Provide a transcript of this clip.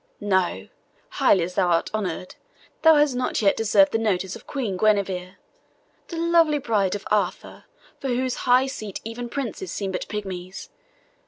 No; highly as thou art honoured, thou hast not yet deserved the notice of Queen Guenevra, the lovely bride of Arthur, from whose high seat even princes seem but pigmies.